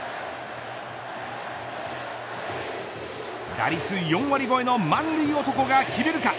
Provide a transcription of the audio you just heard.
打率４割超えの満塁男が決めるか。